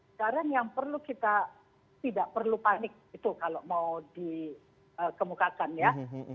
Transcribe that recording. sekarang yang perlu kita tidak perlu panik itu kalau mau dikemukakan ya